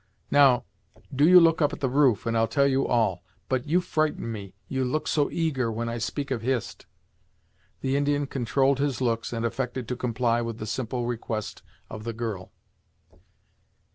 Now, do you look up at the roof, and I'll tell you all. But you frighten me, you look so eager when I speak of Hist." The Indian controlled his looks, and affected to comply with the simple request of the girl.